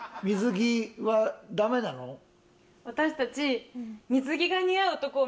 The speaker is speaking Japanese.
私たち。